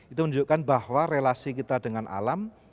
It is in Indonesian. itu menunjukkan bahwa relasi kita dengan alam